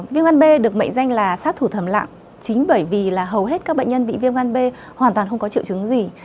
viêm ngăn bê được mệnh danh là sát thủ thầm lặng chính bởi vì hầu hết các bệnh nhân bị viêm ngăn bê hoàn toàn không có triệu chứng gì